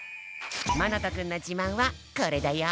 まなとくんのじまんはこれだよ。